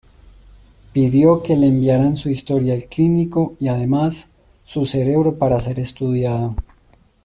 Pidió que le enviaran su historial clínico y además, su cerebro para ser estudiado.